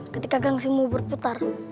ketika gangsingmu berputar